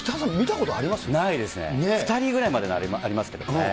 ２人ぐらいまでならありますけどね。